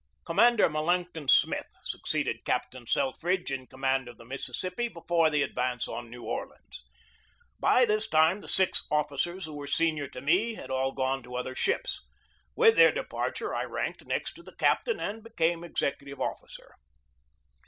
Commander Melancthon Smith succeeded Cap tain Selfridge in command of the Mississippi, before the advance on New Orleans. By this time the six officers who were senior to me had all gone to other ships. With their departure I ranked next to the captain and became executive officer.